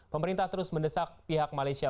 pemerintah terus mendesak pihak malaysia